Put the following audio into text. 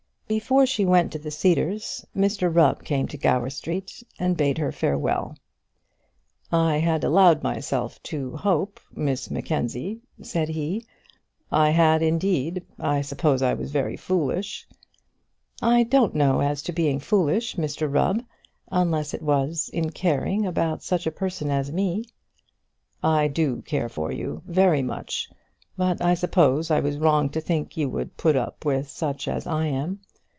Before she went to the Cedars Mr Rubb came to Gower Street and bade her farewell. "I had allowed myself to hope, Miss Mackenzie," said he, "I had, indeed; I suppose I was very foolish." "I don't know as to being foolish, Mr Rubb, unless it was in caring about such a person as me." "I do care for you, very much; but I suppose I was wrong to think you would put up with such as I am.